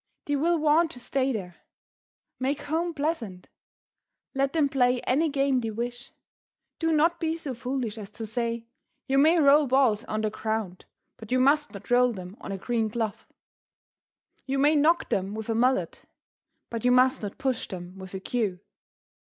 They will want to stay there. Make home pleasant. Let them play any game they wish. Do not be so foolish as to say: "You may roll balls on the ground, but you must not roll them on a green cloth. You may knock them with a mallet, but you must not push them with a cue.